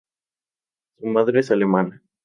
Su madre es alemana.